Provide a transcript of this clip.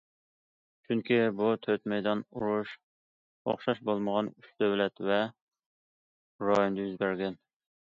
چۈنكى بۇ تۆت مەيدان ئۇرۇش ئوخشاش بولمىغان ئۈچ دۆلەت ۋە رايوندا يۈز بەرگەن.